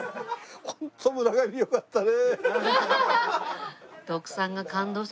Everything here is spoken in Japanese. ホント村上よかったね。